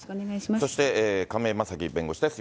そして亀井正貴弁護士です。